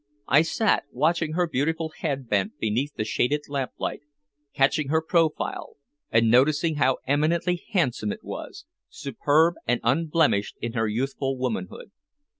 I sat watching her beautiful head bent beneath the shaded lamplight, catching her profile and noticing how eminently handsome it was, superb and unblemished in her youthful womanhood.